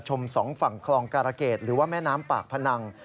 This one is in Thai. ชมสองฝั่งคลองกาลเกศหรือแม่น้ำวางปากพนัง